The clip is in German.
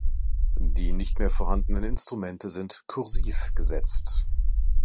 Die nicht mehr vorhandenen Instrumente sind "kursiv" gesetzt.